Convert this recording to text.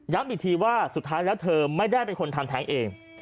อีกทีว่าสุดท้ายแล้วเธอไม่ได้เป็นคนทำแท้งเอง